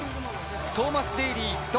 トーマス・デーリー、銅。